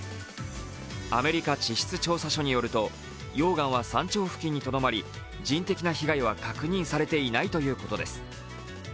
アメリカ地質調査所によると、溶岩は山頂付近にとどまり人的な被害は確認されていないということです。